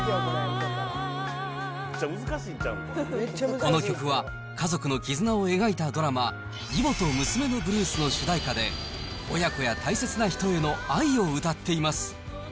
この曲は、家族の絆を描いたドラマ、義母と娘のブルースの主題歌で、親子や大切な人への愛を歌っています。